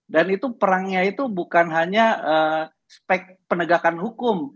dan itu perangnya itu bukan hanya spek penegakan hukum